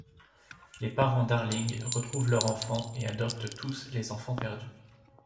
Les parents Darling retrouvent leurs enfants et adoptent tous les Enfants perdus.